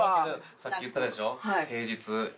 さっき言ったでしょ？